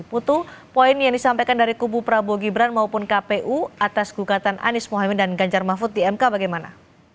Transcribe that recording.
putu poin yang disampaikan dari kubu prabowo gibran maupun kpu atas gugatan anies mohaimin dan ganjar mahfud di mk bagaimana